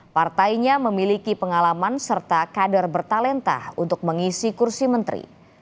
partainya memiliki pengalaman serta kader bertalenta untuk mengisi kursi menteri